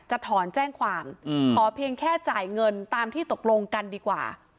ถอนแจ้งความขอเพียงแค่จ่ายเงินตามที่ตกลงกันดีกว่า